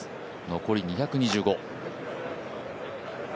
残り２２５。